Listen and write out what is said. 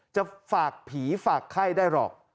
จะฝากผีฝากไข้ได้หรอก